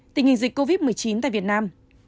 tình hình dịch covid một mươi chín tại việt nam